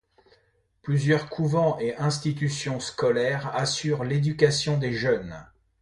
Plusieurs couvents et institutions scolaires assurent l’éducation des jeunes.